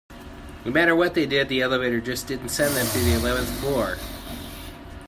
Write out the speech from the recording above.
No matter what they did, the elevator just didn't send them to the eleventh floor.